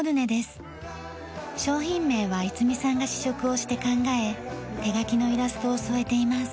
商品名は五美さんが試食をして考え手描きのイラストを添えています。